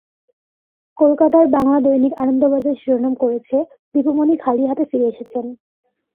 কলকাতার বাংলা দৈনিক আনন্দবাজার শিরোনাম করেছে, দীপু মনি খালি হাতে ফিরে এসেছেন।